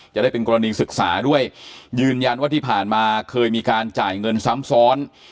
จะได้เป็นกรณีศึกษาด้วยยืนยันว่าที่ผ่านมาเคยมีการจ่ายเงินซ้ำซ้อน